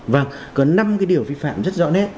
vâng có năm cái điều vi phạm rất rõ nét